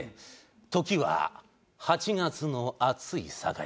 時は８月の暑い盛り。